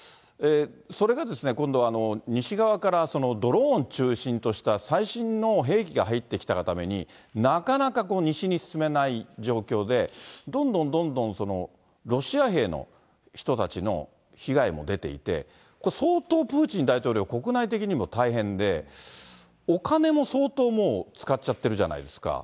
それがですね、今度は西側からそのドローン中心とした最新の兵器が入ってきたがために、なかなか西に進めない状況で、どんどんどんどんロシア兵の人たちの被害も出ていて、相当プーチン大統領、国内的にも大変で、お金も相当もう使っちゃってるじゃないですか。